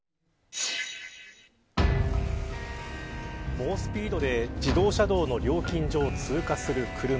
猛スピードで自動車道の料金所を通過する車。